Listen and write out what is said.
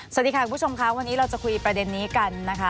สวัสดีค่ะคุณผู้ชมค่ะวันนี้เราจะคุยประเด็นนี้กันนะคะ